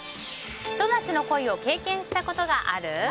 ひと夏の恋を経験したことがある？